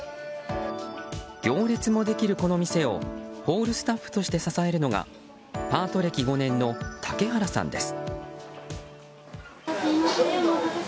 行列もできるこの店をホールスタッフとして支えるのがパート歴５年の竹原さんです。